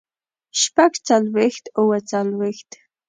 شپږ څلوېښت اووه څلوېښت